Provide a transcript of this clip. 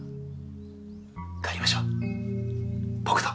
帰りましょう僕と。